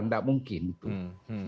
tidak mungkin itu